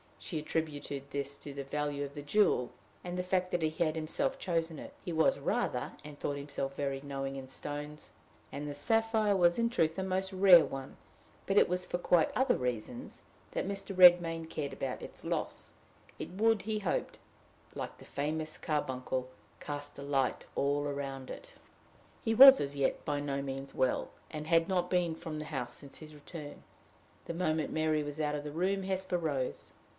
She attributed this to the value of the jewel, and the fact that he had himself chosen it: he was rather, and thought himself very, knowing in stones; and the sapphire was in truth a most rare one: but it was for quite other reasons that Mr. Redmain cared about its loss: it would, he hoped, like the famous carbuncle, cast a light all round it. He was as yet by no means well, and had not been from the house since his return. The moment Mary was out of the room, Hesper rose.